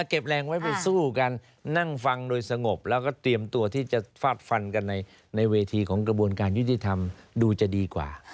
เก็บแรงไว้ไปสู้กันนั่งฟังโดยสงบแล้วก็เตรียมตัวที่จะฟาดฟันกันในเวทีของกระบวนการยุติธรรมดูจะดีกว่า